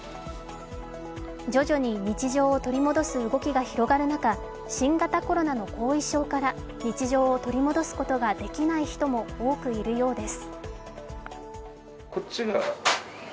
徐々に日常を取り戻す動きが広がる中、新型コロナの後遺症から、日常を取り戻すことができない人も多くいるようです。